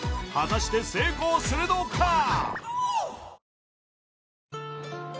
果たして成功するのか？